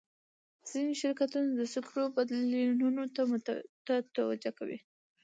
ځینې شرکتونه د سکرو بدیلونو ته توجه کوي.